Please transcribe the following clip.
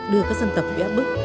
đưa các dân tộc vẽ bước